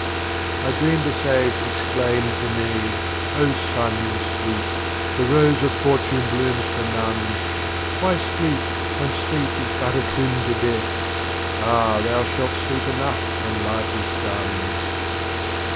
I dreamed a Sage exclaimed to me, " Oh Son In Sleep, ' the Rose of Fortune ' blooms for none, Why sleep, when Bleep is but a Twin to Death? — Ah Thou shalt sleep enough when Life is done."